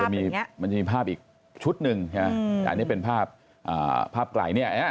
มันจะมีภาพอีกชุดหนึ่งอันนี้เป็นภาพไกล